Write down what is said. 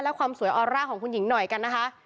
และความสวยออร่าของคุณหญิงหน่อยกันนะคะ